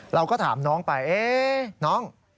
เราก็ถามน้องไปน้อง